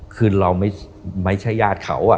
คือเราไม่ใช่ญาติเขา